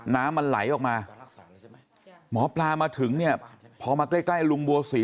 น้ำมันไหลออกมาหมอปลามาถึงเนี่ยพอมาใกล้ลุงบัวศรี